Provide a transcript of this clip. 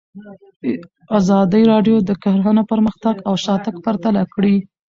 ازادي راډیو د کرهنه پرمختګ او شاتګ پرتله کړی.